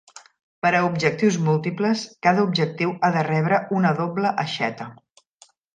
Per a objectius múltiples, cada objectiu ha de rebre una doble aixeta.